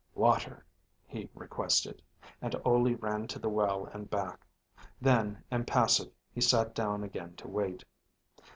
"Water," he requested, and Ole ran to the well and back. Then, impassive, he sat down again to wait.